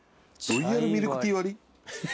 「ロイヤルミルクティー割り」